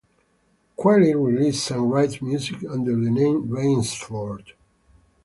Qualley releases and writes music under the name "Rainsford".